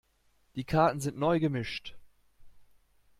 Die Karten sind neu gemischt.